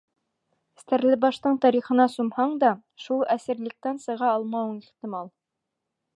Стәрлебаштың тарихына сумһаң да, шул әсирлектән сыға алмауың ихтимал.